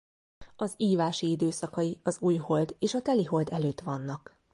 Az ívási időszakai az újhold és a telihold előtt vannak.